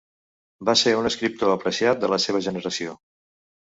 Va ser un escriptor apreciat de la seva generació.